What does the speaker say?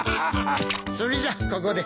それじゃここで。